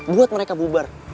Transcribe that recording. buat mereka bubar